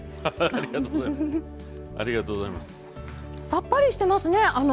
さっぱりしてますね。